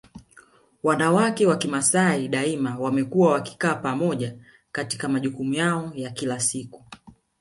Wanawake wa Kimasai daima wamekuwa wakikaa pamoja katika majukumu yao ya kila siku